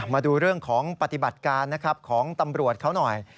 มาดูเรื่องของปฏิบัติการนะครับของตำรวจเขาหน่อย